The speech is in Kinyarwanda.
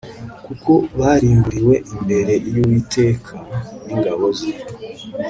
kuko barimburiwe imbere yUwiteka ningabo ze